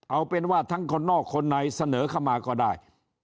เอาเป็นว่าทั้งคนนอกคนในเสนอเข้ามาก็ได้